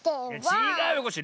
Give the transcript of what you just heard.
ちがうよコッシー。